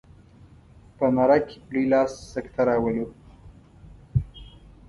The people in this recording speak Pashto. په ناره کې په لوی لاس سکته راولو.